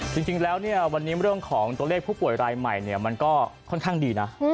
จริงแล้วเนี่ยวันนี้เรื่องของตัวเลขผู้ป่วยรายใหม่มันก็ค่อนข้างดีนะ